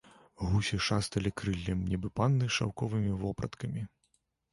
Гусі шасталі крыллем, нібы панны шаўковымі вопраткамі.